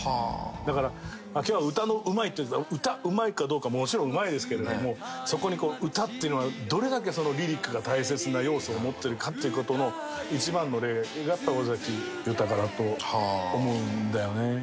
だから今日は歌のうまいっていう歌うまいかどうかもちろんうまいですけれどもそこに歌っていうのはどれだけリリックが大切な要素を持ってるかっていう事の一番の例がやっぱ尾崎豊だと思うんだよね。